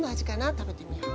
たべてみよう。